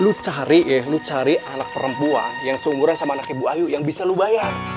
lo cari ya lo cari anak perempuan yang seumuran sama anaknya bu ayu yang bisa lo bayar